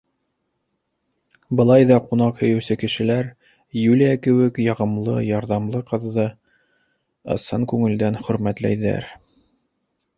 Былай ҙа ҡунаҡ һөйөүсе кешеләр, Юлия кеүек яғымлы, ярҙамлы ҡыҙҙы ысын күңелдән хөрмәтләйҙәр.